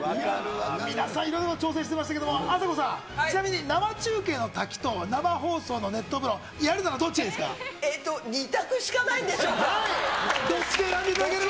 皆さんいろいろ挑戦してましたけれども、あさこさん、ちなみに、生中継の滝と、生放送の熱湯風呂、えっと、どっちか選んでいただければ。